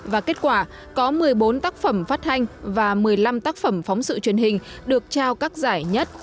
và kết quả có một mươi bốn tác phẩm phát hành và một mươi năm tác phẩm phóng sự truyền hình được trao các giải nhất